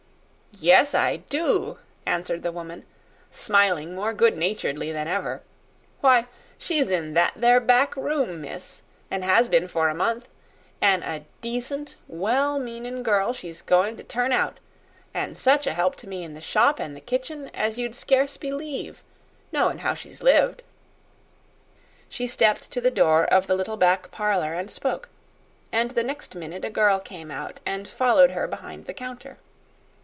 "Yes, I do," answered the woman, smiling more good naturedly than ever. "Why, she's in that there back room, miss, an' has been for a month; an' a decent, well meanin' girl she's goin' to turn out, an' such a help to me in the shop an' in the kitchen as you'd scarce believe, knowin' how she's lived." She stepped to the door of the little back parlor and spoke; and the next minute a girl came out and followed her behind the counter.